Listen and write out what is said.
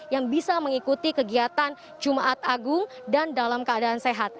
yang bisa mengikuti kegiatan jumat agung dan dalam keadaan sehat